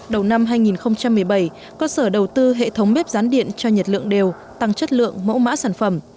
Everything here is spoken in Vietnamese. đầu năm hai nghìn một mươi bảy cơ sở đầu tư hệ thống bếp rán điện cho nhiệt lượng đều tăng chất lượng mẫu mã sản phẩm